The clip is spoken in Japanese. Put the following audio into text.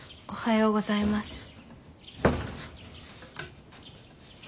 おはようございます。